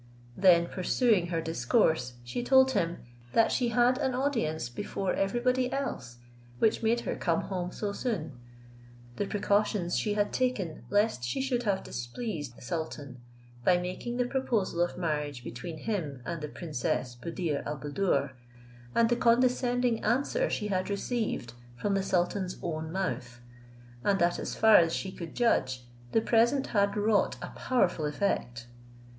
Then pursuing her discourse, she told him, that she had an audience before everybody else which made her come home so soon; the precautions she had taken lest she should have displeased the sultan, by making the proposal of marriage between him and the princess Buddir al Buddoor, and the condescending answer she had received from the sultan's own mouth; and that as far as she could judge, the present had wrought a powerful effect.